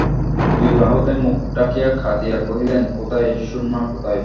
দুই বাহুতে মুখ ঢাকিয়া কাঁদিয়া কহিলেন, কোথায়, সুরমা কোথায়।